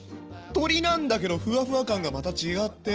鶏なんだけどふわふわ感がまた違って。